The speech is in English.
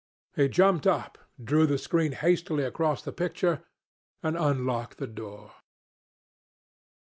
He jumped up, drew the screen hastily across the picture, and unlocked the door.